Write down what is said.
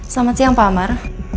selamat siang pak amar